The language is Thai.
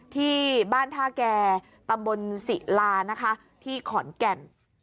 ที่บ้านท่าแก่ตำบลศิลานะคะที่ขอนแก่น